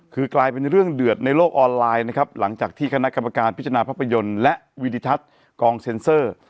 คือกลายเป็นเรื่องเดือดในโลกออนไลน์นะครับหลังจากที่คณะกรรมการพิจารณาภาพยนตร์และวิดิทัศน์กองเซ็นเซอร์